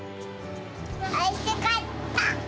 おいしかった！